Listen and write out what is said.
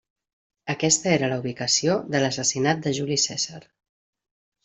Aquesta era la ubicació de l'assassinat de Juli Cèsar.